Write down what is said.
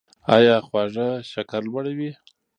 ایا خواږه شکر لوړوي؟